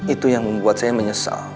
itu yang membuat saya menyesal